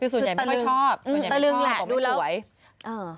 คือส่วนใหญ่ไม่ค่อยชอบส่วนใหญ่ไม่ชอบก็ไม่สวย